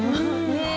ねえ。